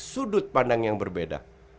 sudut pandang yang berbeda